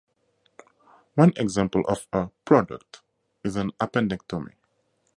One example of a "product" is an appendectomy.